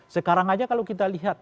sekarang aja kalau kita lihat